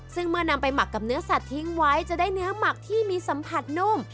ซึ่งเมื่อนำไปหมักกับเนื้อสัตว์ทิ้งไว้จะได้เนื้อหมักที่มีสัมผัสนุ่ม